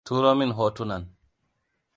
Turo min hotunan.